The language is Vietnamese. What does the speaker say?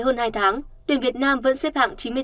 hai tháng tuyển việt nam vẫn xếp hạng chín mươi bốn thế giới